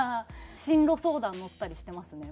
進路相談乗ったりしてますね。